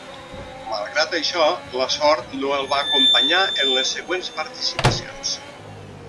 Malgrat això, la sort no el va acompanyar en les següents participacions.